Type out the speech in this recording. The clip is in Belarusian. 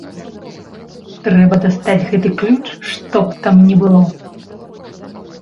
Трэба дастаць гэты ключ што б там ні было!